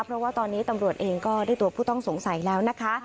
เพราะว่าตอนนี้ตำรวจเองก็ได้ตัวผู้ต้องสงสัยแล้วนะคะ